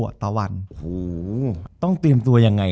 จบการโรงแรมจบการโรงแรม